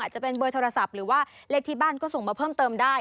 จะเป็นเบอร์โทรศัพท์หรือว่าเลขที่บ้านก็ส่งมาเพิ่มเติมได้